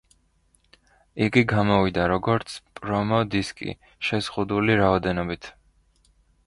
იგი გამოვიდა, როგორც პრომო-დისკი, შეზღუდული რაოდენობით.